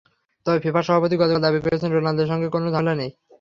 তবে ফিফা সভাপতি গতকাল দাবি করেছেন, রোনালদোর সঙ্গে কোনো ঝামেলা নেই তাঁর।